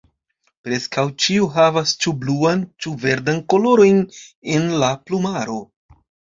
Preskaŭ ĉiu havas ĉu bluan ĉu verdan kolorojn en la plumaro.